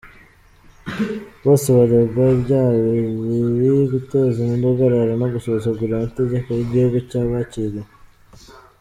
Bose baregwa ibyaha bibiri: guteza imidugararo no gusuzugura amategeko y'igihugu cyabakiriye.